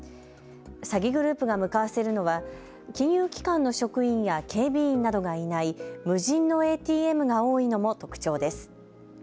詐欺グループが向かわせるのは金融機関の職員や警備員などがいない無人のＡＴＭが多いのも特徴です。